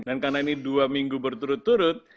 dan karena ini dua minggu berturut turut